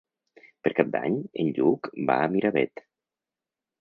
Per Cap d'Any en Lluc va a Miravet.